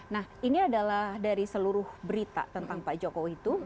nah ini adalah dari seluruh berita tentang pak jokowi itu